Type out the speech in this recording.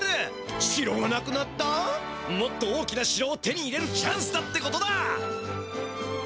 もっとおおきなしろを手に入れるチャンスだってことだ！